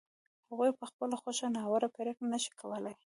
هغوی په خپله خوښه ناوړه پرېکړه نه شي کولای.